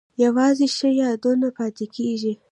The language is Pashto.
یوازې ښه یادونه پاتې کیږي؟